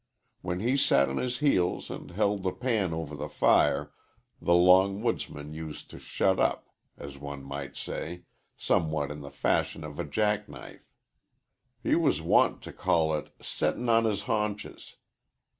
When he sat on his heels and held his pan over the fire, the long woodsman used to shut up, as one might say, somewhat in the fashion of a jack knife. He was wont to call it "settin' on his hunches."